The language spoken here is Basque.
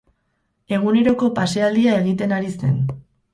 Eguneroko pasealdia egiten ari zen.